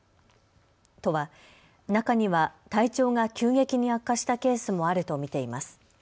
都は中には体調が急激に悪化したケースもあると見ています。